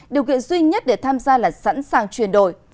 điều kiện duy nhất để tham gia là sẵn sàng chuyển đổi